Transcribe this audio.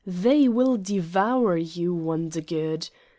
They will devour you, Wondergood.